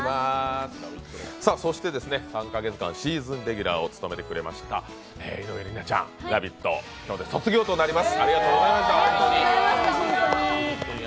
そして３か月間シーズンレギュラーを務めてくれました井上梨名ちゃん、「ラヴィット！」を卒業となります。